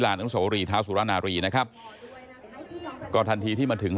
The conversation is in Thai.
อนุโสรีเท้าสุรนารีนะครับก็ทันทีที่มาถึง